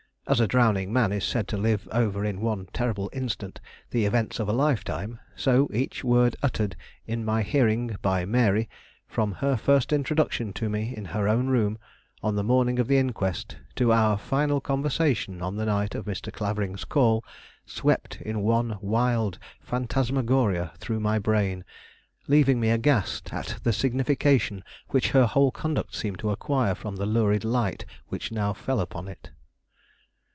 As a drowning man is said to live over in one terrible instant the events of a lifetime, so each word uttered in my hearing by Mary, from her first introduction to me in her own room, on the morning of the inquest, to our final conversation on the night of Mr. Clavering's call, swept in one wild phantasmagoria through my brain, leaving me aghast at the signification which her whole conduct seemed to acquire from the lurid light which now fell upon it.